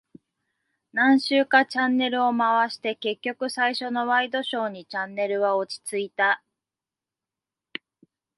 何周かチャンネルを回して、結局最初のワイドショーにチャンネルは落ち着いた。